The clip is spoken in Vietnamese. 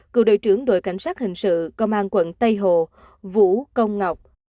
cựu đội trưởng đội cảnh sát hình sự công an quận tây hồ vũ công ngọc